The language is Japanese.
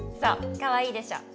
かわいいでしょ。